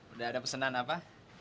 udah ada pesanan apa